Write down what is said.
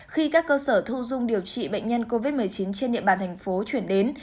khi các cơ sở thu dung điều trị bệnh nhân covid một mươi chín trên địa bàn thành phố chuyển đến